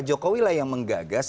jokowi lah yang menggagas